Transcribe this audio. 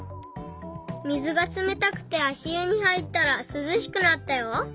水がつめたくてあしゆにはいったらすずしくなったよ。